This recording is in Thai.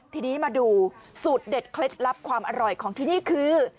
ทีนี้มาดูสูตรเด็ดเคล็ดลับความอร่อยของที่นี่คือ